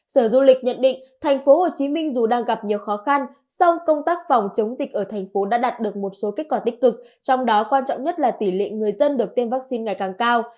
sở du lịch nhận định tp hcm dù đang gặp nhiều khó khăn song công tác phòng chống dịch ở thành phố đã đạt được một số kết quả tích cực trong đó quan trọng nhất là tỷ lệ người dân được tiêm vaccine ngày càng cao